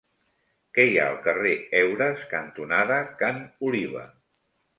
Què hi ha al carrer Heures cantonada Ca n'Oliva?